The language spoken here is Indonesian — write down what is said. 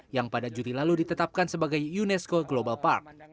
yang pada juli lalu ditetapkan sebagai unesco global park